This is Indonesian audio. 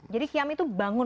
jadi qiyam itu bangun